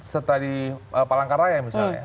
serta di palangkaraya misalnya